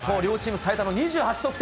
香西は両チーム最多の２８得点。